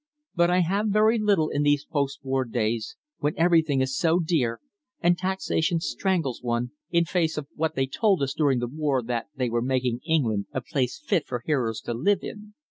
But I have very little in these post war days, when everything is so dear, and taxation strangles one, in face of what they told us during the war that they were making England a place fit for heroes to live in!